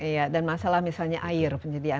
iya dan masalah misalnya air penyediaan